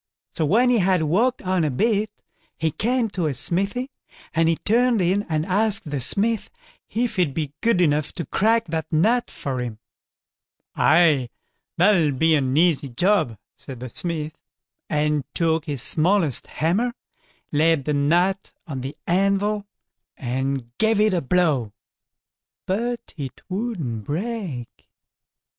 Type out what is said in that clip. So when he had walked on a bit, he came to a smithy, and he turned in and asked the smith if he'd be good enough to crack that nut for him. "Aye, that'll be an easy job", said the smith, and took his smallest hammer, laid the nut on the anvil, and gave it a blow, but it wouldn't break.